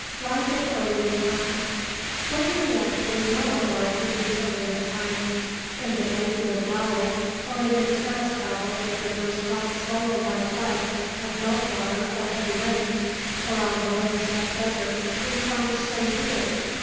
LIFE IN EARLIEST TIMES What do we actually know of life in these earliest times? In the glacial gravels, or in the terrace gravels of rivers once swollen by floods of melt water or heavy rains, or on the windswept deserts, we find stone tools.